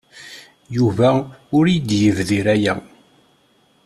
Yuba ur iyi-d-yebdir aya.